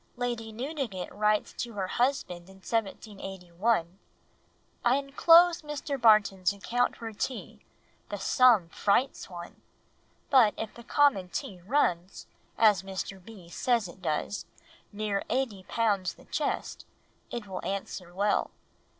Lady Newdigate writes to her husband in 1781, "I enclose Mr. Barton's account for tea, the sum frights one, but if the common tea runs—as Mr. B. says it does—near eighty pounds the chest, it will answer well.